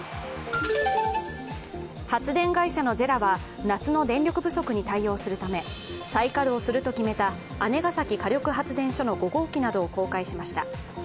発電会社のＪＥＲＡは夏の電力不足に対応するため再稼働すると決めた姉崎火力発電所の５号機などを公開しました。